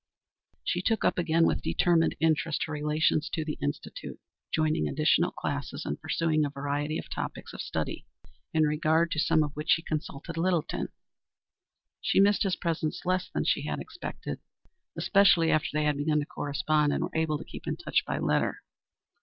She took up again with determined interest her relations to the Institute, joining additional classes and pursuing a variety of topics of study, in regard to some of which she consulted Littleton. She missed his presence less than she had expected, especially after they had begun to correspond and were able to keep in touch by letter.